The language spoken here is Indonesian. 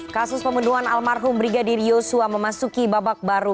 kasus pembunuhan almarhum brigadir yosua memasuki babak baru